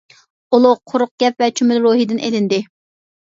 «ئۇلۇغ قۇرۇق گەپ ۋە چۈمۈلە روھى» دىن ئېلىندى.